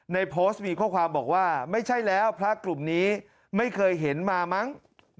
ในโพสต์มีข้อความบอกว่าไม่ใช่แล้วพระกลุ่มนี้ไม่เคยเห็นมามั้ง